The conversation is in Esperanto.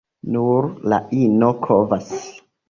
Nur la ino kovas.